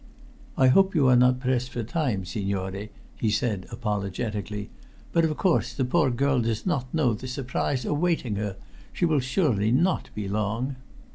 "I hope you are not pressed for time, signore?" he said apologetically. "But, of course, the poor girl does not know the surprise awaiting her. She will surely not be long."